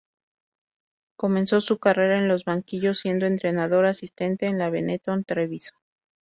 Comenzó su carrera en los banquillos siendo entrenador asistente en la Benetton Treviso.